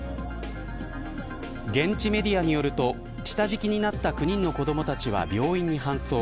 現地メディアによると下敷きになった９人の子どもたちは病院に搬送。